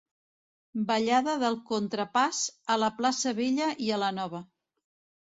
Ballada del Contrapàs a la plaça Vella i a la Nova.